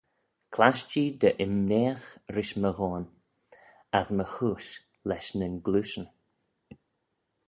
Clasht-jee dy imneagh rish my ghoan as my chooish lesh nyn gleayshyn.